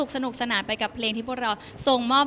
สนุกสนานไปกับเพลงที่พวกเราส่งมอบ